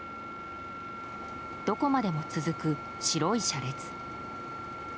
どこまでも続く白い車列。